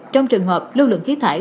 trong trường hợp lưu lượng khí thải